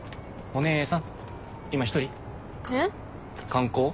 観光？